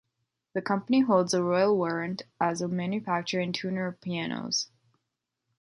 The company holds a Royal Warrant as a manufacturer and tuner of pianos.